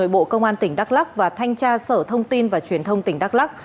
bộ công an tỉnh đắk lắc và thanh tra sở thông tin và truyền thông tỉnh đắk lắc